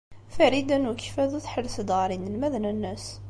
Farida n Ukeffadu tḥelles-d ɣer yinelmaden-nnes.